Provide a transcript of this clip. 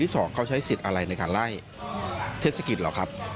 สองเขาใช้สิทธิ์อะไรในการไล่เทศกิจเหรอครับ